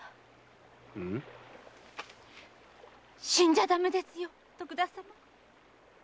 死んじゃダメですよ徳田様。